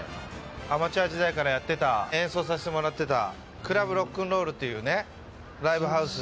アマチュア時代からやってた演奏させてもらってた、クラブロックンロールというライブハウス。